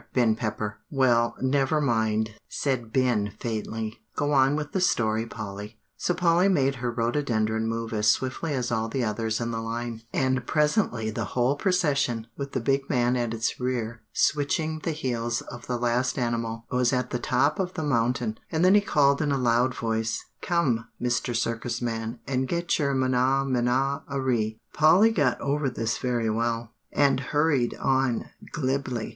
Ben Pepper." "Well, never mind," said Ben faintly; "go on with the story, Polly." So Polly made her rhododendron move as swiftly as all the others in the line; and presently the whole procession, with the big man at its rear switching the heels of the last animal, was at the top of the mountain; and then he called in a loud voice, "Come, Mr. Circus man, and get your menaj menaj arie." Polly got over this very well, and hurried on glibly.